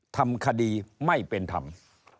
ทำคดีไม่เป็นทำ